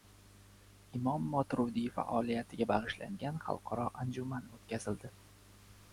Imom Moturidiy faoliyatiga bag‘ishlangan xalqaro anjuman o‘tkaziladi